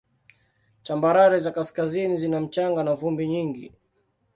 Tambarare za kaskazini zina mchanga na vumbi nyingi.